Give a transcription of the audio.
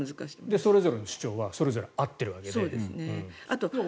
それぞれの主張はそれぞれ合っているわけで。